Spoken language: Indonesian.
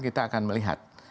kita akan melihat